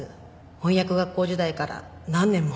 翻訳学校時代から何年も。